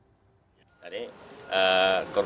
tidak ada satu lembar yang keluar